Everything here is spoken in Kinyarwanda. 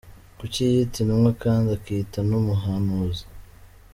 Kuki yiyita intumwa kandi akiyita n’umuhanuzi